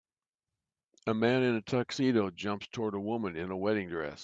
A man in a tuxedo jumps toward a woman in a wedding dress.